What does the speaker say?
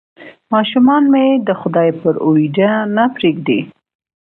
ماشومان مې د خدای پر اوېجه نه پرېږدي.